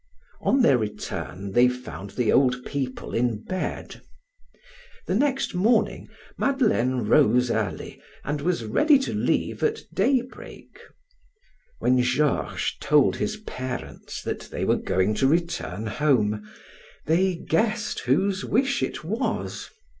On their return they found the old people in bed. The next morning Madeleine rose early and was ready to leave at daybreak. When Georges told his parents that they were going to return home, they guessed whose wish it was.